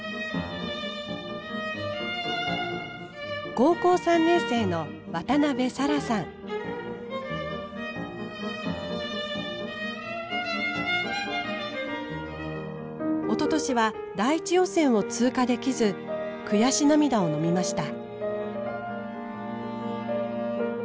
高校３年生のおととしは第１予選を通過できず悔し涙をのみました。